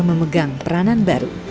memegang peranan baru